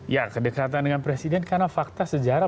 ya kedekatan dengan presiden karena fakta sejarah